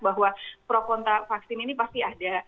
bahwa pro kontra vaksin ini pasti ada